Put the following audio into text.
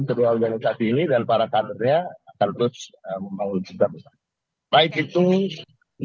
kedua organisasi ini dan para kadernya akan terus membangun cinta besar